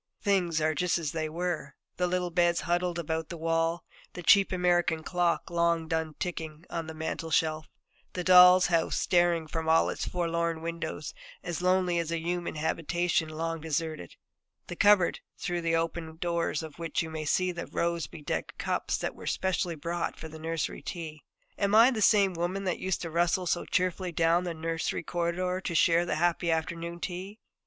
Things are just as they were: the little beds huddled about the wall; the cheap American clock, long done ticking, on the mantelshelf; the doll's house, staring from all its forlorn windows, as lonely as a human habitation long deserted; the cupboard, through the open doors of which you may see the rose bedecked cups that were specially bought for the nursery tea. Am I the same woman that used to rustle so cheerfully down the nursery corridor to share that happy afternoon tea?